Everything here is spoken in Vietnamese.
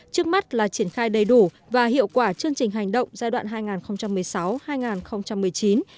trước mắt là triển khai đầy đủ và hiệu quả chương trình hành động giai đoạn hai nghìn một mươi sáu hai nghìn một mươi chín